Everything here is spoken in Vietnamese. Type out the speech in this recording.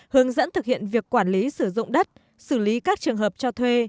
hướng dẫn thực hiện việc quản lý sử dụng đất xử lý các trường hợp cho thuê